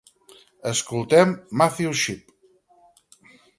Escoltem Matthew Shipp.